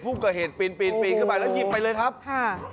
ผู้เกิดเหตุปีนปีนปีนขึ้นไปแล้วหยิบไปเลยครับฮ่า